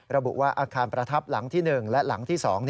ระบุว่าอาคารประทับหลังที่๑และหลังที่๒